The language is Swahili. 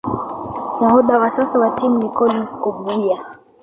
Nahodha wa sasa wa timu ni Collins Obuya